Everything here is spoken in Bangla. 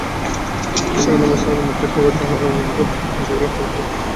সেখানে অবস্থার অবনতি হওয়ায় জয়নাল আলীকে রংপুর মেডিকেল কলেজ হাসপাতালে পাঠানো হয়েছে।